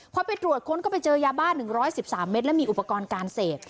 พอไปตรวจค้นก็ไปเจอยาบ้า๑๑๓เมตรและมีอุปกรณ์การเสพ